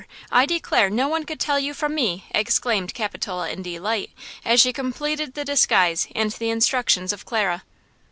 I declare no one could tell you from me!" exclaimed Capitola in delight, as she completed the disguise and the instructions of Clara.